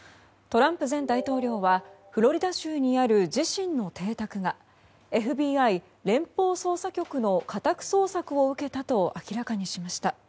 トランプ前大統領はフロリダ州にある自身の邸宅がＦＢＩ・連邦捜査局の家宅捜索を受けたと明らかにしました。